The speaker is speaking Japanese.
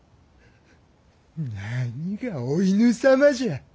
何がお犬様じゃ！